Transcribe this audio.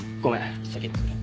先行っててくれ。